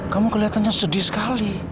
kamu kelihatannya sedih sekali